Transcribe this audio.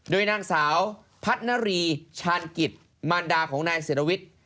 โดยนางสาวพัฒนารีชาญกิจมารดาของนายศิรวิทย์